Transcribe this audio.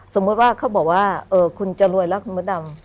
สมมุติว่าเขาบอกว่าคุณจะรวยแล้วคุณมดดำ